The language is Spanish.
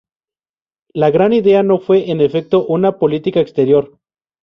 La Gran Idea no fue en efecto una política exterior.